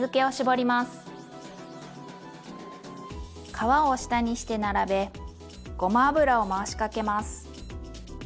皮を下にして並べごま油を回しかけます。